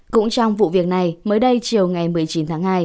cũng trong vụ việc này mới đây chiều ngày một mươi chín tháng hai